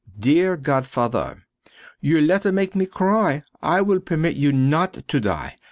Dear Godfather: Your letter made me to cry. I will permit you not to die.